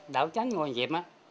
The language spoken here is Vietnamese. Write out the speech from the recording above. đảo chánh ngoài diệp á